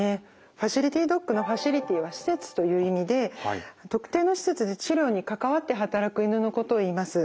ファシリティドッグのファシリティは施設という意味で特定の施設で治療に関わって働く犬のことをいいます。